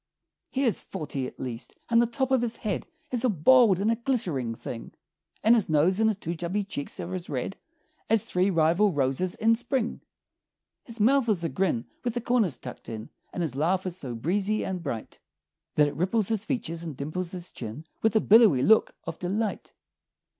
He is forty, at least; and the top of his head Is a bald and a glittering thing; And his nose and his two chubby cheeks are as red As three rival roses in spring. His mouth is a grin with the corners tucked in And his laugh is so breezy and bright That it ripples his features and dimples his chin With a billowy look of delight.